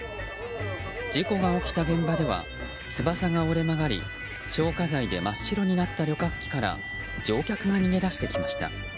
事故が起きた現場では翼が折れ曲がり消火剤で真っ白になった旅客機から乗客が逃げ出してきました。